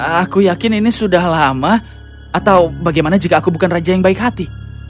aku yakin ini sudah lama atau bagaimana jika aku bukan raja yang baik hati